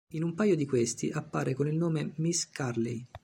In un paio di questi, appare con il nome Miss Curley.